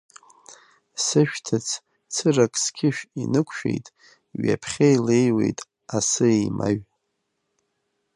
Сы-шәҭыц цырак сқьышә инықәшәеит, ҩаԥхьа илеиуеит асы еимаҩ.